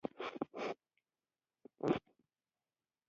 پادري د کوڅې په خټو او باراني اوبو کې روان وو.